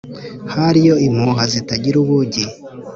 hariyo impuha zitagira ubugi